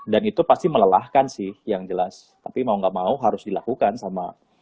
dan itu pasti melelahkan sih yang jelas tapi mau nggak mau harus dilakukan sama